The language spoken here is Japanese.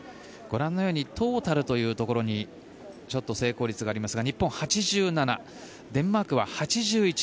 ご覧のようにトータルというところにちょっと成功率がありますが日本は８７％デンマークは８１％。